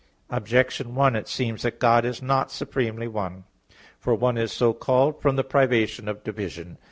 Objection 1: It seems that God is not supremely one. For "one" is so called from the privation of division.